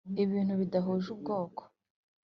ibintu bida huje ubwoko